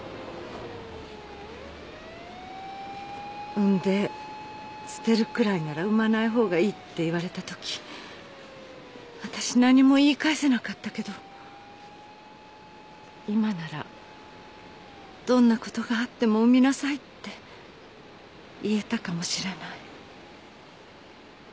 「産んで捨てるくらいなら産まない方がいい」って言われたときわたし何も言い返せなかったけど今ならどんなことがあっても産みなさいって言えたかもしれない。